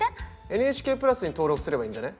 ＮＨＫプラスに登録すればいいんじゃね？